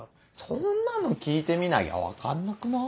そんなの聞いてみなきゃ分かんなくない？